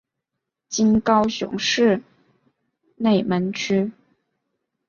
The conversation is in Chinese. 今高雄市内门区。